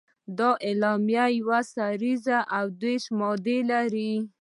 دا اعلامیه یوه سريزه او دېرش مادې لري.